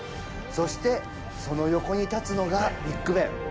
そして、その横に建つのがビッグベン。